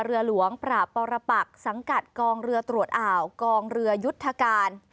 เรือหลวงปราบปรปักสังกัดกองเรือตรวจอ่าวกองเรือยุทธการ